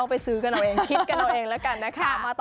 ไปซื้อกันเอาเองคิดกันเอาเองแล้วกันนะคะ